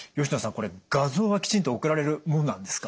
これ画像はきちんと送られるものなんですか？